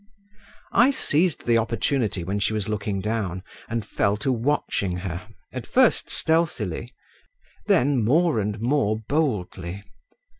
I seized the opportunity when she was looking down and fell to watching her, at first stealthily, then more and more boldly.